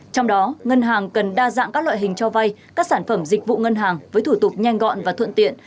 trong đó ngân hàng cần đa dạng các loại hình cho vay các sản phẩm dịch vụ ngân hàng với thủ tục nhanh gọn và thuận tiện